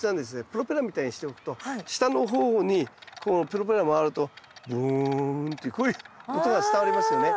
プロペラみたいにしておくと下の方にこのプロペラが回るとブーンというこういう音が伝わりますよね。